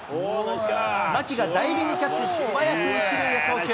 牧がダイビングキャッチ、素早く１塁へ送球。